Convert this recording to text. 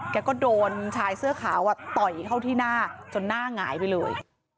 แกก็โดนชายเสื้อขาวต่อยเข้าที่หน้าจนหน้าหงายไปเลย